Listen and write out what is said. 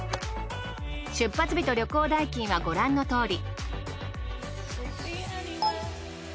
出発日と旅行代金はご覧のとおり。